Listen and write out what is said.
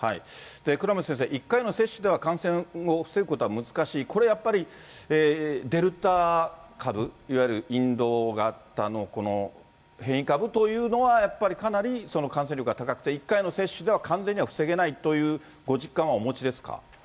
倉持先生、１回の接種では感染を防ぐことは難しい、これはやっぱり、デルタ株、いわゆるインド型のこの変異株というのは、やっぱり、かなり感染力が高くて、１回の接種では完全には防げないというご実感はお持ちですか。